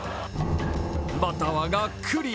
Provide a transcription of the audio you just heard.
バッターはがっくり。